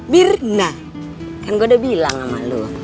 mirna kan gue udah bilang sama lo